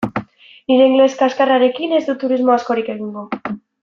Nire ingeles kaxkarrarekin ez dut turismo askorik egingo.